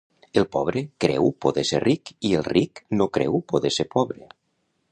El pobre creu poder ser ric i el ric no creu poder ser pobre.